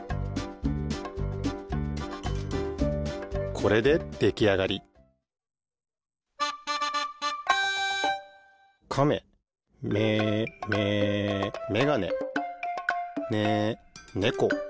これでできあがり「かめ」めめ「めがね」ね「ねこ」